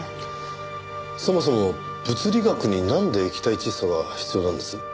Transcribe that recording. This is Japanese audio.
そもそも物理学になんで液体窒素が必要なんです？